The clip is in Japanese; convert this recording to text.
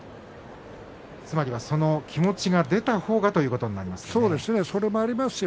つまりは、その気持ちが出た方がということになりますね。